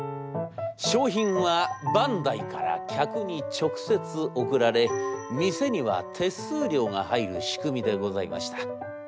商品はバンダイから客に直接送られ店には手数料が入る仕組みでございました。